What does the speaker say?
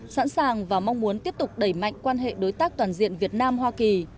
sẵn sàng và mong muốn tiếp tục đẩy mạnh quan hệ đối tác toàn diện việt nam hoa kỳ